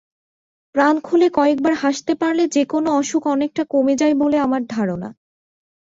প্রাণখুলে কয়েক বার হাসতে পারলে যে-কোনো অসুখ অনেকটা কমে যায় বলে আমার ধারণা।